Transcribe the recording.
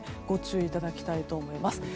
ご注意いただきたいと思います。